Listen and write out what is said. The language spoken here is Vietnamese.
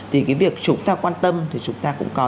thì cái việc chúng ta quan tâm thì chúng ta cũng có